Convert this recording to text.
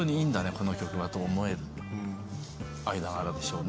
この曲は」と思える間柄でしょうね。